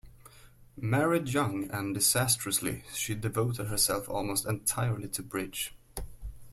Married young, and disastrously, she devoted herself almost entirely to bridge.